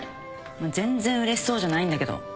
全然うれしそうじゃないんだけど。